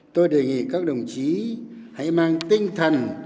tôi đề nghị các đồng chí hãy mang tinh thần